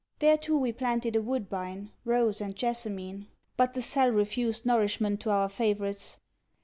There too we planted a woodbine, rose, and jassamine, but the cell refused nourishment to our favorites.